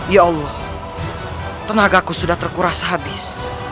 ya allah tenagaku sudah terkuras habis